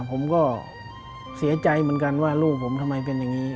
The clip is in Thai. ผมก็เสียใจเหมือนกันว่าลูกผมทำไมเป็นอย่างนี้